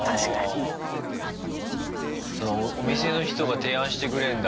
お店の人が提案してくれんだ。